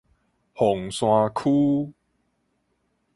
鳳山區